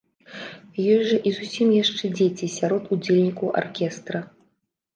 Ёсць жа і зусім яшчэ дзеці сярод удзельнікаў аркестра!